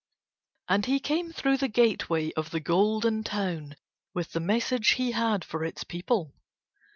And he came through the gateway of the Golden Town with the message he had for its people.